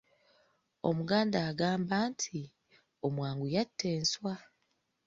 Omuganda agamba nti, “Omwangu yatta enswa.”